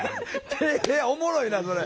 おもろいなそれ。